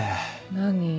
何？